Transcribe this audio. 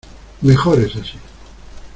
¡ mejor es así!...